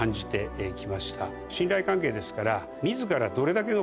信頼関係ですから自ら。